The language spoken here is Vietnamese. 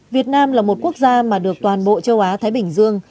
việt nam là một quốc gia mà được toàn bộ châu á thái bình dương